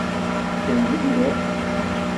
Ččan mliḥ.